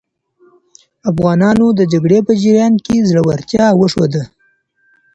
افغانانو د جګړې په جریان کې زړورتیا وښوده.